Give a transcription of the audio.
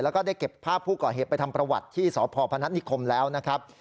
แล้วก็ได้เก็บภาพผู้ก่อเหตุไปทำประวัติที่สพพนัฐนิคมแล้วนะครับ